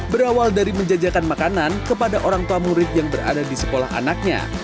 berawal dari menjajakan makanan kepada orang tua murid yang berada di sekolah anaknya